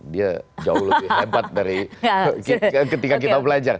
dia jauh lebih hebat dari ketika kita belajar